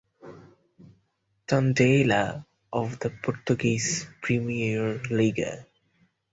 Tondela of the Portuguese Primeira Liga.